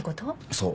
そう。